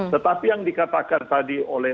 tetapi yang dikatakan tadi oleh